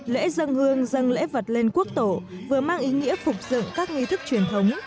lễ dân hương dâng lễ vật lên quốc tổ vừa mang ý nghĩa phục dựng các nghi thức truyền thống